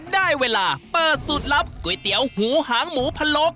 ได้เวลาเปิดสูตรลับก๋วยเตี๋ยวหูหางหมูพะโลก